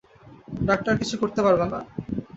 Doctor কিছু করতে পারবে না।